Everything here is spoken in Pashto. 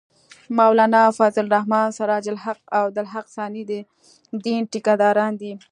مولانا فضل الرحمن ، سراج الحق او عبدالحق ثاني د دین ټېکه داران دي